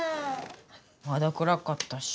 まだくらかったし。